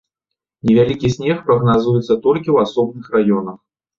Невялікі снег прагназуецца толькі ў асобных раёнах.